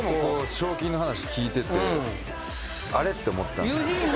賞金の話聞いててあれって思ったんですけど。